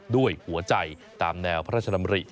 ด้วยหัวใจตามแนวพระราชดำริ